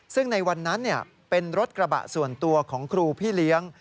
ซึ่งในวันนั้นเป็นรถกระบะส่วนตัวของครูพี่เลี้ยง